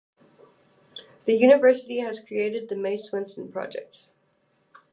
The University has created the May Swenson Project.